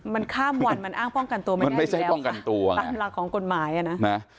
มันข้ามวันมันอ้างป้องกันตัวไม่ได้อยู่แล้วครับปั้นหลักของกฎหมายอ่ะนะ